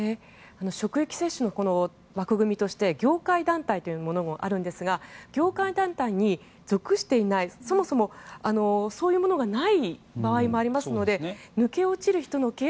職域接種の枠組みとして業界団体というものもあるんですが業界団体に属していないそもそも、そういうものがない場合もありますので抜け落ちる人のケア